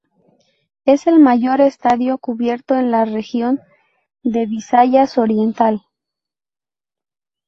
Es el mayor estadio cubierto en la región de Visayas Oriental.